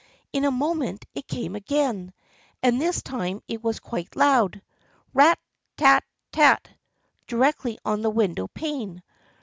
In a moment it came again, and this time it was quite loud. Rat — tat — tat — directly on the window pane.